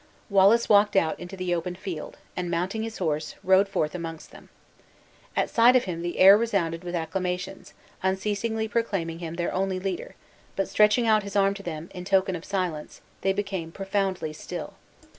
Wallace walked out into the open field, and mounting his horse, rode forth amongst them. At sight of him the air resounded with acclamations, unceasingly proclaiming him their only leader, but, stretching out his arm to them, in token of silence, they became profoundly still.